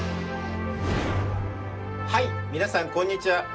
はい皆さんこんにちは！